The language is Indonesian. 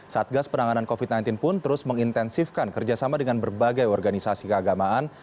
satgas penanganan covid sembilan belas pun terus mengintensifkan kerjasama dengan berbagai organisasi keagamaan